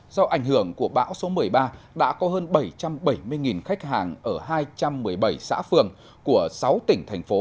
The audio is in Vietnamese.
do ảnh hưởng của bão số một mươi ba đã có hơn bảy trăm bảy mươi khách hàng ở hai trăm một mươi bảy xã phường của sáu tỉnh thành phố